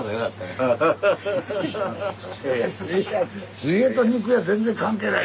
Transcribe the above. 水泳と肉屋全然関係ない。